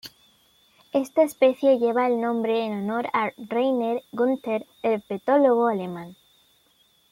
Esta especie lleva el nombre en honor a Rainer Günther, herpetólogo alemán.